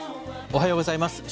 おはようございます。